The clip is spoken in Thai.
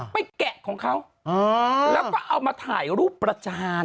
แกะของเขาแล้วก็เอามาถ่ายรูปประจาน